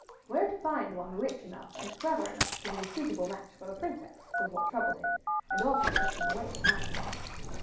Where to find one rich enough and clever enough to be a suitable match for the princess was what troubled him, and often kept him awake at night.